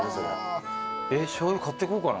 しょうゆ買ってこうかな俺。